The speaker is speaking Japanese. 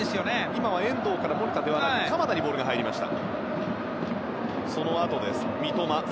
今は遠藤から守田ではなく鎌田に入りました。